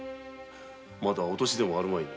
まだお年でもあるまいが。